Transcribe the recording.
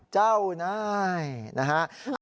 เจ้านายนะฮะ